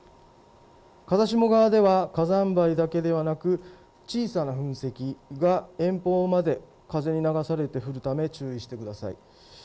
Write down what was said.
風下側では火山灰だけではなく小さな噴石が遠方まで風に流されて降るため注意してください。